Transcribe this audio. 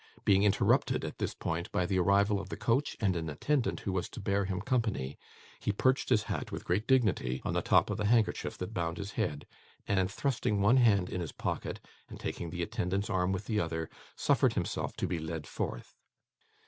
Being interrupted, at this point, by the arrival of the coach and an attendant who was to bear him company, he perched his hat with great dignity on the top of the handkerchief that bound his head; and, thrusting one hand in his pocket, and taking the attendant's arm with the other, suffered himself to be led forth.